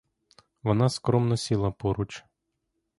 Вона скромно сіла поруч.